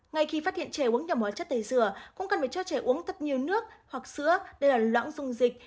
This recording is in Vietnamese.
ngay khi phát hiện trẻ uống nhầm hóa chất tẩy dừa cũng cần phải cho trẻ uống thật nhiều nước hoặc sữa để lỏng dung dịch